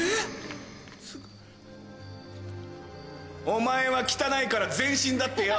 お前は汚いから全身だってよ！